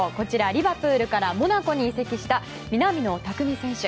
リバプールからモナコに移籍した南野拓実選手。